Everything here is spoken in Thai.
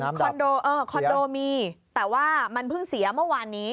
คอนโดเออคอนโดมีแต่ว่ามันเพิ่งเสียเมื่อวานนี้